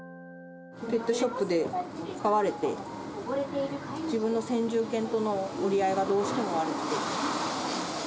ペットショップで買われて、自分の先住犬との折り合いがどうしても悪くて。